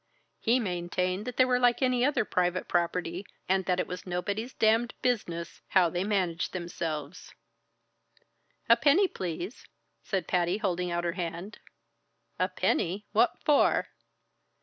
He maintained that they were like any other private property, and that it was nobody's damned business how they managed themselves. "A penny, please," said Patty, holding out her hand. "A penny? what for?"